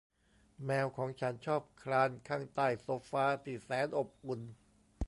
แมวของฉันชอบคลานข้างใต้โซฟาที่แสนอบอุ่น